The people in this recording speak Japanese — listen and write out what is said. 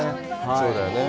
そうだよね。